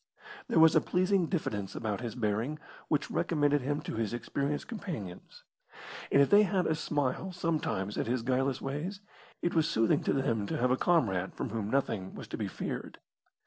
There was a pleasing diffidence about his bearing which recommended him to his experienced companions, and if they had a smile sometimes at his guileless ways, it was soothing to them to have a comrade from whom nothing was to be feared.